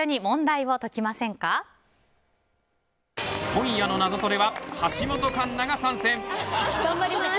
今夜の「ナゾトレ」は橋本環奈が参戦。